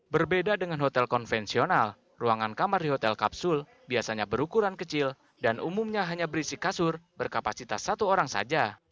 berbeda dengan hotel konvensional ruangan kamar di hotel kapsul biasanya berukuran kecil dan umumnya hanya berisi kasur berkapasitas satu orang saja